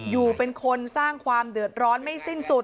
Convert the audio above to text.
อยู่เป็นคนสร้างความเดือดร้อนไม่สิ้นสุด